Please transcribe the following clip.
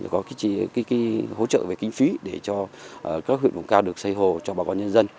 có hỗ trợ về kinh phí để cho các huyện vùng cao được xây hồ cho bà con nhân dân